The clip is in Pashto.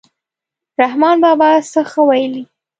رحمان بابا څه ښه ویلي.